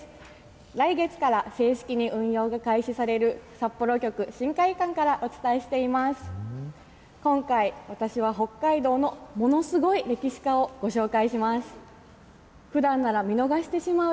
来月から正式に運用が開始される、札幌局新会館からお伝えしています。